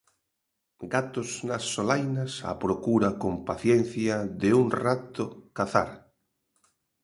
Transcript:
Gatos nas solainas á procura, con paciencia, de un rato cazar;